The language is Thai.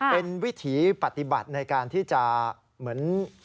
เป็นวิถีปฏิบัติในการที่จะเหมือน